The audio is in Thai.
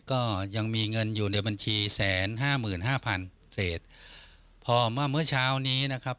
ก็ยังมีเงินอยู่ในบัญชีแสนห้าหมื่นห้าพันเศษพอเมื่อเมื่อเช้านี้นะครับ